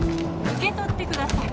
受け取ってください。